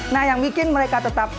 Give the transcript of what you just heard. nah yang bikin mereka tetap